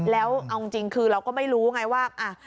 แล้วเอาจริงคือเราก็ไม่รู้ไงว่า